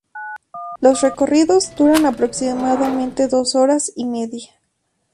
Los recorridos duran aproximadamente dos horas y media.